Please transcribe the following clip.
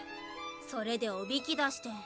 それでおびき出して。